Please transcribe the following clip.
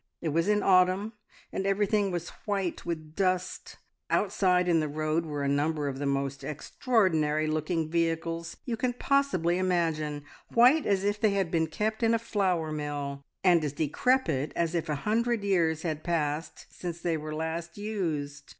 It was in autumn, and everything was white with dust. Outside in the road were a number of the most extraordinary looking vehicles you can possibly imagine, white as if they had been kept in a flour mill, and as decrepit as if a hundred years had passed since they were last used.